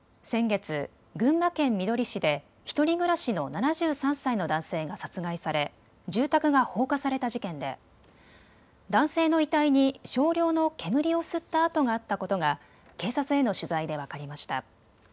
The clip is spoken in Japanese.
先月、群馬県みどり市で１人暮らしの７３歳の男性が殺害され住宅が放火された事件で男性の遺体に少量の煙を吸った痕があったことが警察への取材で分かりました。